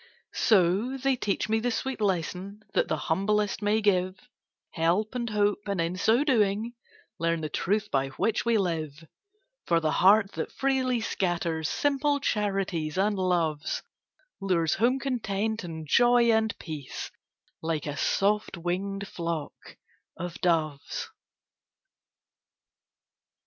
So, they teach me the sweet lesson, That the humblest may give Help and hope, and in so doing, Learn the truth by which we live; For the heart that freely scatters Simple charities and loves, Lures home content, and joy, and peace, Like a soft winged flock of doves.